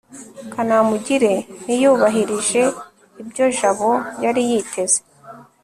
kanamugire ntiyubahirije ibyo jabo yari yiteze